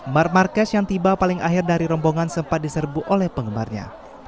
mark marquez yang tiba paling akhir dari rombongan sempat diserbu oleh penggemarnya